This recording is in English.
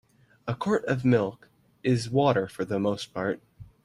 A quart of milk is water for the most part.